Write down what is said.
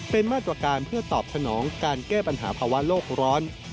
เป็นมาตรการเพื่อตอบสนองการแก้ปัญหาภาวะโลกร้อน